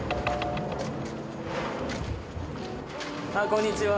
こんにちは！